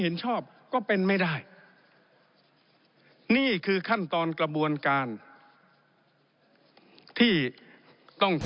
เห็นชอบก็เป็นไม่ได้นี่คือขั้นตอนกระบวนการที่ต้อง